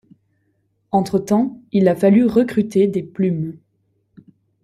Entre-temps, il a fallu recruter des plumes.